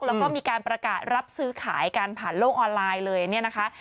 แล้วก็มีการประกาศรับซื้อขายกันผ่านโลกออนไลน์เลยเนี่ยนะคะ